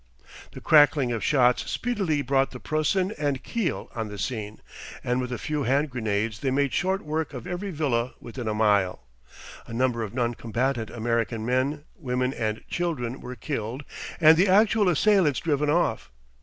The crackling of shots speedily brought the Preussen and Kiel on the scene, and with a few hand grenades they made short work of every villa within a mile. A number of non combatant American men, women, and children were killed and the actual assailants driven off.